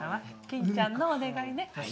金ちゃんのお願いね。